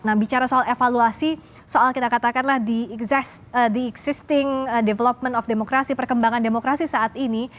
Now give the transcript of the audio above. nah bicara soal evaluasi soal kita katakanlah di existing development of demokrasi perkembangan demokrasi saat ini